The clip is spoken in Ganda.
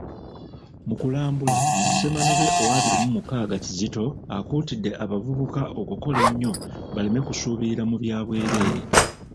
Mukulambula, Ssemanobe ow'abiri mu mukaaga Kizito akuutidde abavubuka okukola ennyo baleme kusuubirira mu bya bwerere.